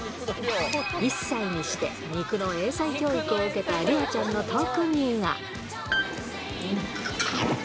１歳にして肉の英才教育を受けたリアちゃんの特技が。